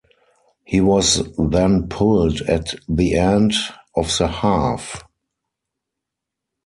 He was then pulled at the end of the half.